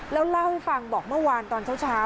แล้วเล่าให้ฟังบอกเมื่อวานตอนเช้า